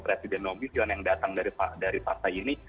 presiden nobition yang datang dari partai ini